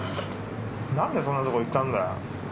何でそんなとこ行ったんだよ。